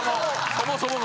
そもそもが。